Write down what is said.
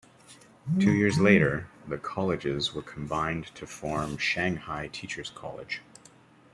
Two years later, the colleges were combined to form Shanghai Teachers College.